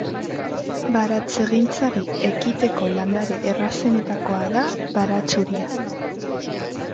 Baratzegintzari ekiteko landare errazenetakoa da baratxuria.